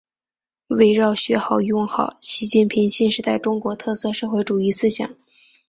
围绕学好、用好习近平新时代中国特色社会主义思想